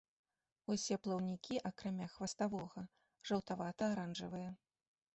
Усе плаўнікі, акрамя хваставога, жаўтавата-аранжавыя.